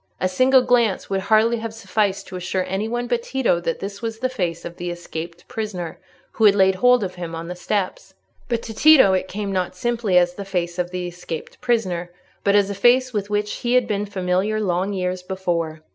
A single glance would hardly have sufficed to assure any one but Tito that this was the face of the escaped prisoner who had laid hold of him on the steps. But to Tito it came not simply as the face of the escaped prisoner, but as a face with which he had been familiar long years before.